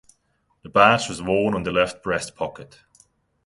The badge was worn on the left breast pocket.